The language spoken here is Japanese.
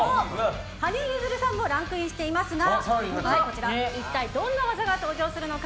羽生結弦さんもランクインしていますが一体どんな技が登場するのか。